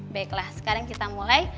baiklah sekarang kita mulai